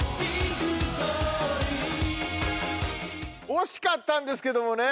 惜しかったんですけどもね。